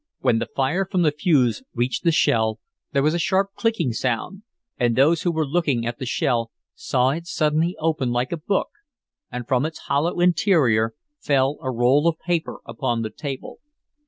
When the fire from the fuse reached the shell there was a sharp clicking sound, and those who were looking at the shell saw it suddenly open like a book, and from its hollow interior fell a roll of paper upon the table.